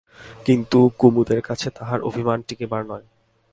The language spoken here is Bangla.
কিন্তু কুমুদের কাছে তাহার অভিমান টিকিবার নয়।